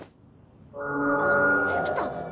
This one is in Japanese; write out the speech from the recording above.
あっできた。